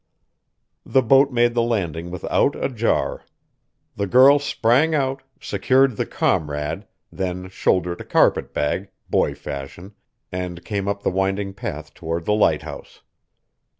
The boat made the landing without a jar. The girl sprang out, secured the Comrade, then shouldered a carpet bag, boy fashion, and came up the winding path toward the lighthouse.